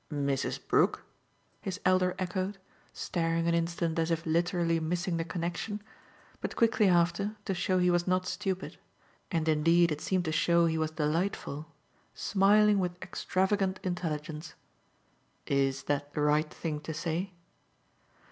"'Mrs. Brook'?" his elder echoed; staring an instant as if literally missing the connexion; but quickly after, to show he was not stupid and indeed it seemed to show he was delightful smiling with extravagant intelligence. "Is that the right thing to say?"